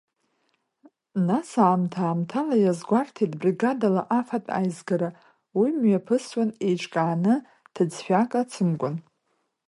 Нас, аамҭа-аамҭала иазгәарҭеит бригадала афатә аизгара, уи мҩаԥысуан еиҿкааны, ҭыӡшәак ацымкәан.